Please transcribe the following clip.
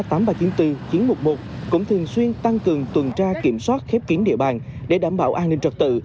thường xuyên tăng cường tổ tuần tra kiểm soát khép kín địa bàn để đảm bảo an ninh trật tự